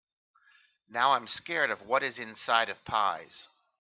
Now, I’m scared of what is inside of pies.